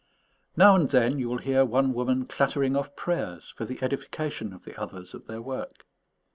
Now and then you will hear one woman clattering off prayers for the edification of the others at their work.